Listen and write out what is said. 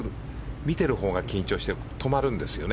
見てるほうが緊張して止まるんですよね。